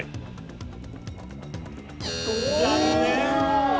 残念！